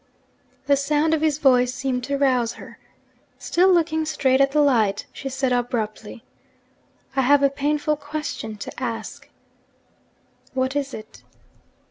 The sound of his voice seemed to rouse her. Still looking straight at the light, she said abruptly: 'I have a painful question to ask.' 'What is it?'